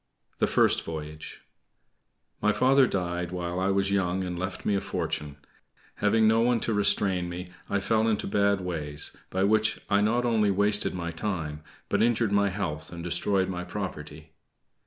THE FIRST VOYAGE My father died while I was young and left me a fortune. Having no one to restrain me, I fell into bad ways, by which I not only wasted my time, but injured my health, and destroyed my property.